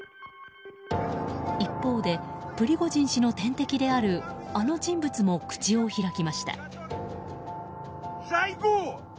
一方でプリゴジン氏の天敵であるあの人物も口を開きました。